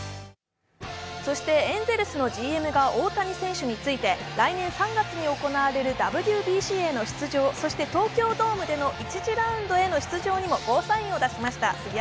そしてエンゼルスのＧＭが大谷選手について来年３月に行われるＷＢＣへの出場、そして東京ドームで行われる１次ラウンドへの出場もゴーサインを出しました。